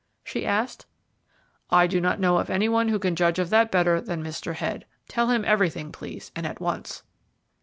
she asked. "I do not know of any one who can judge of that better than Mr. Head. Tell him everything, please, and at once."